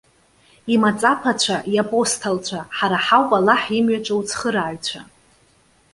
Имаҵаԥацәа, иапостолцәа. ҳара ҳауп Аллаҳ имҩаҿы уцхырааҩцәа.